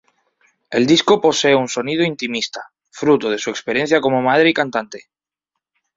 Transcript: El disco posee un sonido intimista, fruto de su experiencia como madre y cantante.